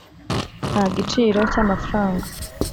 nta giciro cy’amafaranga